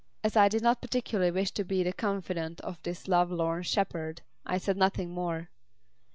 As I did not particularly wish to be the confidant of this love lorn shepherd, I said nothing more.